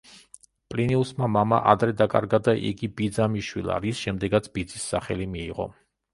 პლინიუსმა მამა ადრე დაკარგა და იგი ბიძამ იშვილა, რის შემდეგაც ბიძის სახელი მიიღო.